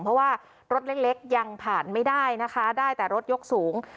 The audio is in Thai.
เพราะว่ารถเล็กยังผ่านไม่ได้นะคะได้แต่รถยกสูง